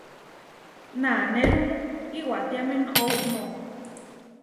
Nanérumu iwatiáme noʼó uʼmó.